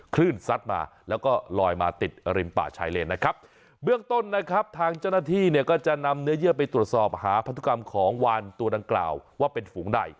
ซัดมาแล้วก็ลอยมาติดริมป่าชายเลนนะครับเบื้องต้นนะครับทางเจ้าหน้าที่เนี่ยก็จะนำเนื้อเยื่อไปตรวจสอบหาพันธุกรรมของวานตัวดังกล่าวว่าเป็นฝูงใด